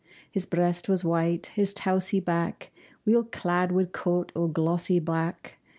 His breast was white, his towsie back Weel clad wi' coat o' glossy black.